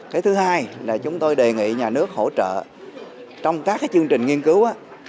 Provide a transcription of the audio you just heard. cái thứ hai là chúng tôi đề nghị nhà nước hỗ trợ trong các chương trình nghiên cứu